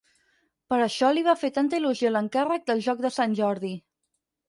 Per això li va fer tanta il·lusió l'encàrrec del joc de Sant Jordi.